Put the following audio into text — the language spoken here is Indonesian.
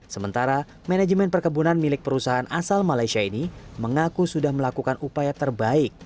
sementara manajemen perkebunan milik perusahaan asal malaysia ini mengaku sudah melakukan upaya terbaik